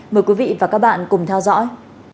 mời quý vị và các bạn cùng theo dõi